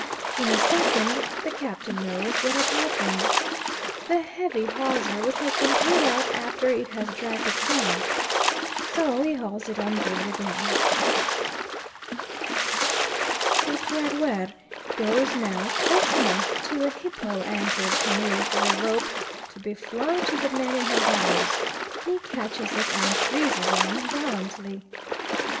In a second the Captain knows what has happened. That heavy hawser which has been paid out after it has dragged it down, so he hauls it on board again. The Eclaireur goes now close enough to the hippo anchored canoe for a rope to be flung to the man in her bows; he catches it and freezes on gallantly.